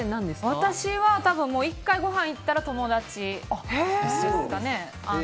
私は１回ごはん行ったら友達ですかね。